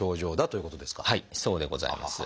そうでございます。